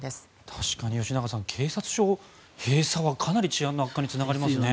確かに吉永さん警察署閉鎖はかなり治安の悪化につながりますよね。